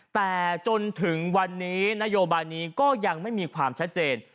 แต่จนถึงวันนี้นโยบายนี้ก็ยังไม่มีความชัดเจน